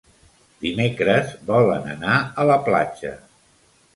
Dimecres volen anar a la platja.